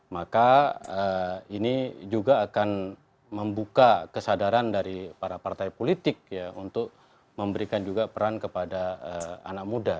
maka ini juga akan membuka kesadaran dari para partai politik ya untuk memberikan juga peran kepada anak muda